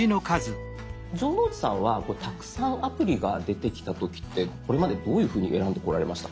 城之内さんはたくさんアプリが出てきた時ってこれまでどういうふうに選んでこられましたか？